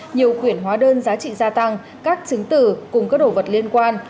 nhiều quyển hóa đơn giá trị gia tăng các chứng từ cùng các đồ vật liên quan